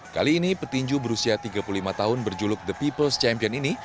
kali ini petinju berusia tiga puluh lima tahun berjuluk the peoples champion ini